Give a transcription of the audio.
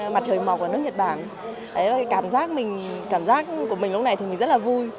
mặt trời mọc ở nước nhật bản cảm giác của mình lúc này thì mình rất là vui